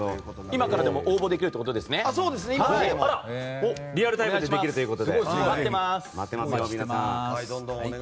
今からでも応募できるということですね。